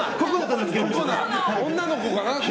女の子かな。